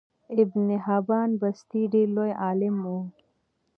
ابن حبان بستي ډیر لوی عالم وو